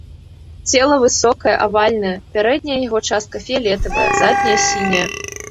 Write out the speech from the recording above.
Цела высокае, авальнае, пярэдняя яго частка фіялетавая, задняя сіняя.